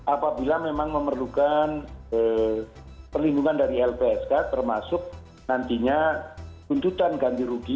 apabila memang memerlukan perlindungan dari lpsk termasuk nantinya tuntutan ganti rugi